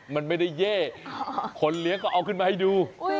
มันไม่ได้เย่คนเลี้ยงก็เอาขึ้นมาให้ดู